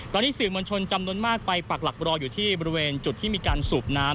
ตอนนี้สื่อมวลชนจำนวนมากไปปักหลักรออยู่ที่บริเวณจุดที่มีการสูบน้ำ